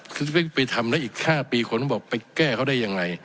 คือจะไปทำแล้วอีก๕ปีคนก็บอกไปแก้เขาได้ยังไง